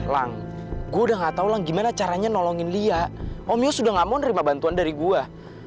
lang gue udah gak tau lah gimana caranya nolongin lia om yo sudah gak mau nerima bantuan dari gue